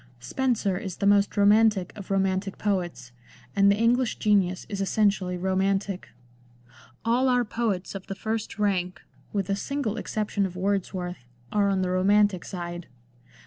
Spenser is the most romantic of romantic poets, and the English genius is essentially romantic ; all our poets of the first rank, with the single excep tion of Wordsworth, are on the romantic side.